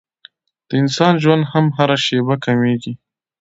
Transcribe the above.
د انسان ژوند هم هره شېبه کمېږي.